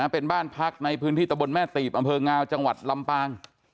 เป็นบ้านพักในพื้นที่ตะบนแม่ตีบอำเภองาวจังหวัดลำปาง